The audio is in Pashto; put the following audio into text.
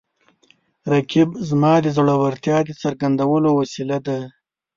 رقیب زما د زړورتیا د څرګندولو وسیله ده